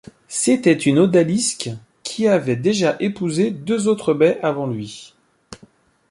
C'était une odalisque qui avait déjà épousé deux autres beys avant lui.